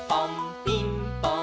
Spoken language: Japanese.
ピンポン！